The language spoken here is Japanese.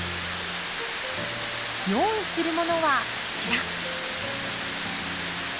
用意するものはこちら。